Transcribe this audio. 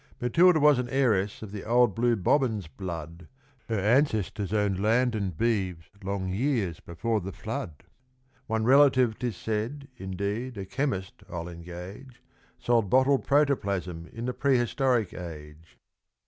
Matilda was an heiress of the old blue Bobbins' blood, Her ancestors owned land and beeves long years before the flood; One relative, 'tis said, indeed a chemist, I'll engage Sold bottled Protoplasm in the prehistoric age.